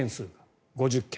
５０件。